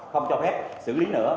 không cho phép xử lý nữa